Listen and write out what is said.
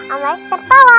om baik tertawa